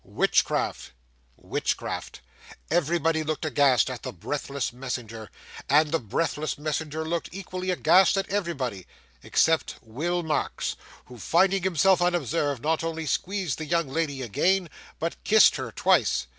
'Witchcraft.' Witchcraft! Everybody looked aghast at the breathless messenger, and the breathless messenger looked equally aghast at everybody—except Will Marks, who, finding himself unobserved, not only squeezed the young lady again, but kissed her twice.